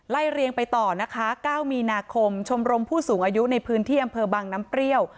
เรียงไปต่อนะคะ๙มีนาคมชมรมผู้สูงอายุในพื้นที่อำเภอบังน้ำเปรี้ยว